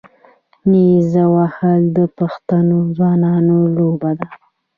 نیزه وهل د پښتنو ځوانانو لوبه ده.